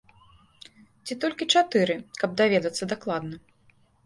Ці толькі чатыры, каб даведацца дакладна?